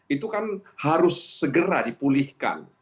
itu kan harus segera dipulihkan